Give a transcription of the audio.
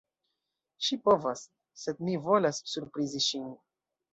Ŝi povas, sed mi volas surprizi ŝin.